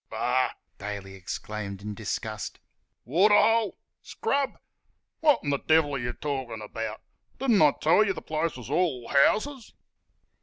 "Bah!" Daly exclaimed in disgust "waterhole! ... scrub! ... Wot'n th' devil 're y' talkin' about? Don't I tell y' th' place is all houses!"